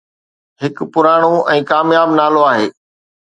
هڪ پراڻو ۽ ڪامياب نالو آهي